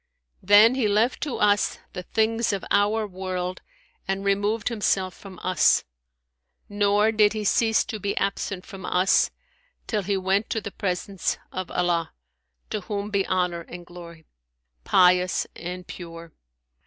Then he left to us the things of our world and removed himself from us; nor did he cease to be absent from us, till he went to the presence of Allah (to whom be Honour and Glory!), pious and pure.'